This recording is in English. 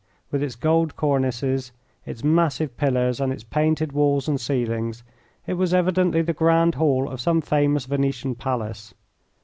With its gold cornices, its massive pillars, and its painted walls and ceilings it was evidently the grand hall of some famous Venetian palace.